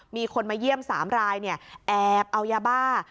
มีคนมาเยี่ยม๓รายแอบเอายาบ้า